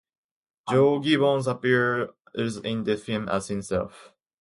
Joe Gibbons appears in the film as himself.